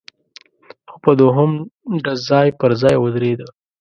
خو په دوهم ډز ځای پر ځای ودرېده،